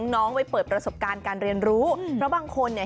น้องไปเปิดประสบการณ์การเรียนรู้เพราะบางคนเนี่ย